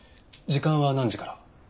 時間は何時から？